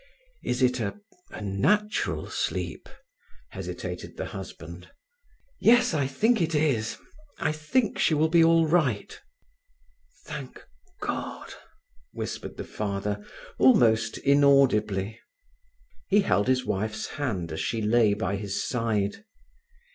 "Is it a—a natural sleep?" hesitated the husband. "Yes. I think it is. I think she will be all right." "Thank God!" whispered the father, almost inaudibly. He held his wife's hand as she lay by his side.